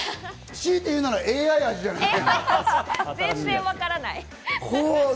強いて言うならＡＩ味じゃない？